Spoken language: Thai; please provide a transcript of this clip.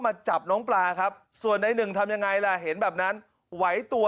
มาจับน้องปลาครับส่วนในหนึ่งทำยังไงล่ะเห็นแบบนั้นไหวตัว